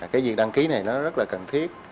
cái việc đăng ký này rất là cần thiết